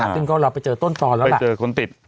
ซึ่งก็เราไปเจอต้นตอนแล้วไปเจอคนติด